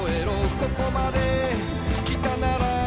「ここまで来たなら」